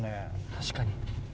確かに。